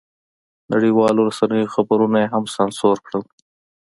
نړیوالو رسنیو خبرونه یې هم سانسور کړل.